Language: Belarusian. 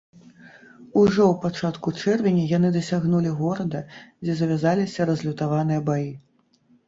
Ужо ў пачатку чэрвеня яны дасягнулі горада, дзе завязаліся разлютаваныя баі.